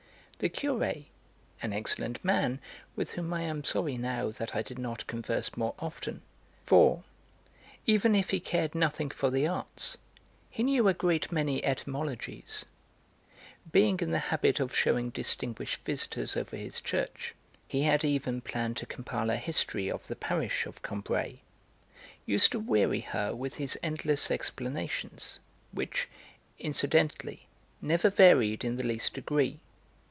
The Curé (an excellent man, with whom I am sorry now that I did not converse more often, for, even if he cared nothing for the arts, he knew a great many etymologies), being in the habit of shewing distinguished visitors over his church (he had even planned to compile a history of the Parish of Combray), used to weary her with his endless explanations, which, incidentally, never varied in the least degree.